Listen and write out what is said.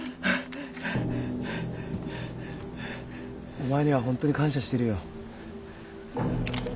お前にはホントに感謝してるよ。